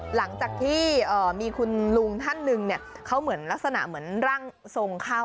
หลังจากที่มีคุณลุงท่านหนึ่งเขาเหมือนลักษณะเหมือนร่างทรงเข้า